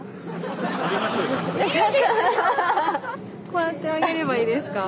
こうやって上げればいいですか？